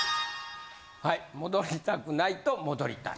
はい戻りたくない！と戻りたい！